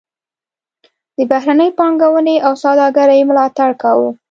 د بهرنۍ پانګونې او سوداګرۍ ملاتړ کاوه.